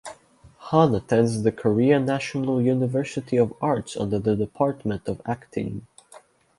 Han attends the Korea National University of Arts under the Department of Acting.